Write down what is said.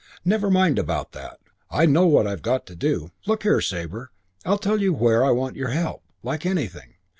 "Never mind about that; I know what I've got to do. Look here, Sabre, I tell you where I want your help, like anything.